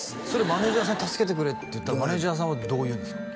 マネージャーさんに「助けてくれ」って言ったらマネージャーさんはどう言うんですか？